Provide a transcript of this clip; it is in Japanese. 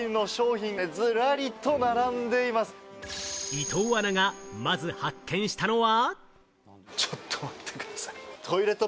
伊藤アナがまず発見したのは。